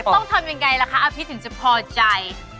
ต้องทำยังไงล่ะคะอาพิษถึงจะพอใจ